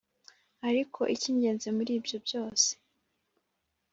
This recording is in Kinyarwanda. ariko icy'ingenzi muri ibyo byose,